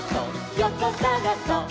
よこさがそっ！」